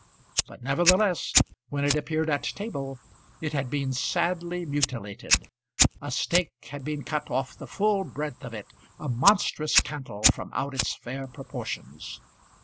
But nevertheless when it appeared at table it had been sadly mutilated. A steak had been cut off the full breadth of it a monstrous cantle from out its fair proportions.